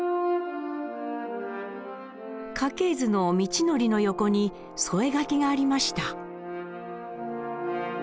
家系図の道徳の横に添え書きがありました。